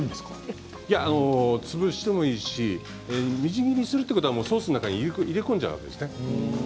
潰してもいいしみじん切りにするということはソースの中に入れ込んじゃうわけですね。